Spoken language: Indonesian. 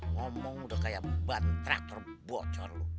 ngomong udah kayak ban traktor bocor loh